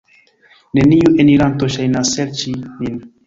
Neniu eniranto ŝajnas serĉi min.